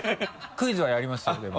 クイズはやりますよでも。